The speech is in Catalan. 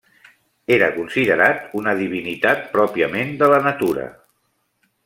Era considerat una divinitat pròpiament de la natura.